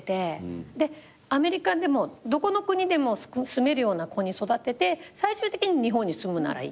アメリカでもどこの国でも住めるような子に育てて最終的に日本に住むならいいと。